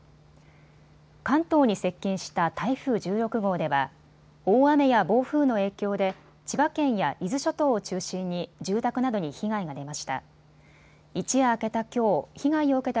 関東に接近した台風１６号では大雨や暴風の影響で千葉県や伊豆諸島を中心に住宅などに被害が出ました。